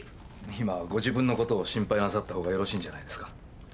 今はご自分のことを心配なさったほうがよろしいんじゃないんですか？